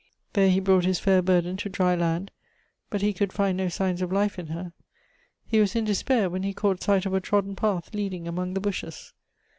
There he brought his fair burden to dry land, but he could find no signs of life in her ; he was in despair, when he caught sight of a trodden path leading among the bushes.